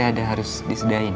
kamu harus lebih baik